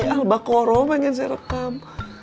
albaqoro pengen saya rekam